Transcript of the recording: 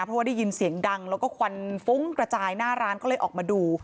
เพราะว่าได้ยินเสียงดังแล้วก็ควันฟุ้งกระจายหน้าร้านก็เลยออกมาดู